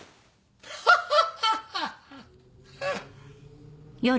ハハハハ！